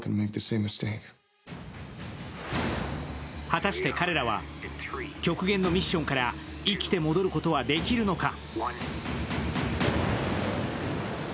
果たして彼らは極限のミッションから生きて戻ることはできるのか？